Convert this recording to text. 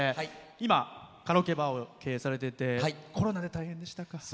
今、カラオケバーを経営されててコロナで大変でしたか？